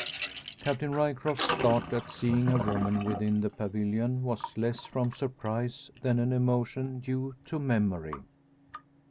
Captain Ryecroft's start at seeing: a woman within the pavilion was less from surprise than an emotion due to memory.